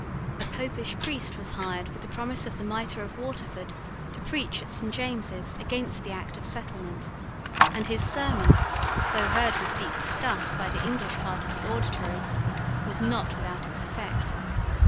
A Popish priest was hired with the promise of the mitre of Waterford to preach at Saint James's against the Act of Settlement; and his sermon, though heard with deep disgust by the English part of the auditory, was not without its effect.